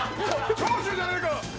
長州じゃねえか。